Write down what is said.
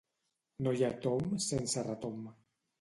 No hi ha tomb sense retomb